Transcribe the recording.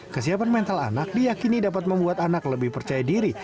kesiapan mental anak diakini dapat membuat anak lebih percaya diri